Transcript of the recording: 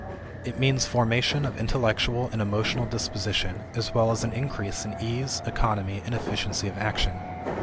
It means formation of intellectual and emotional disposition as well as an increase in ease, economy, and efficiency of action.